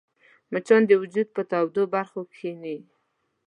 مچان د وجود پر تودو برخو کښېني